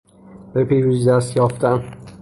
به پیروزی دست یافتن